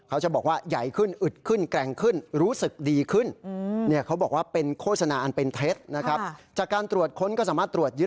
อาหารเสริม